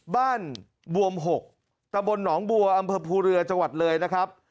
บวม๖ตะบนหนองบัวอำเภอภูเรือจังหวัดเลยนะครับ